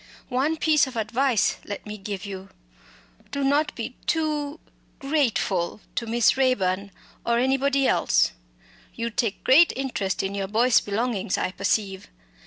One piece of advice let me give you. Don't be too grateful to Miss Raeburn, or anybody else! You take great interest in your Boyce belongings, I perceive.